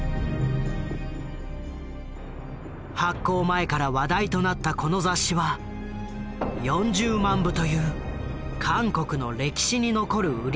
発行前から話題となったこの雑誌は４０万部という韓国の歴史に残る売り上げを記録した。